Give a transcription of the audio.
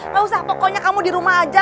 gak usah pokoknya kamu di rumah aja